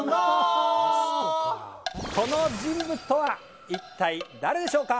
その人物とは一体誰でしょうか？